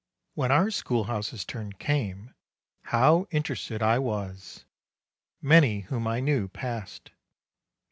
When our schoolhouse's turn came, how interested I was ! Many whom I knew passed.